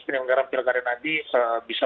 penyelenggaraan pilkada nanti bisa